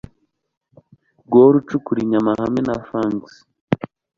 guhora ucukura inyama hamwe na fangs